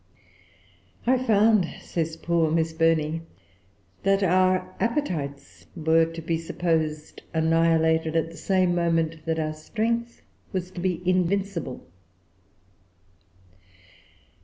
"I found," says poor Miss Burney, "that our appetites were to be supposed annihilated, at the same moment that our strength was to be invincible."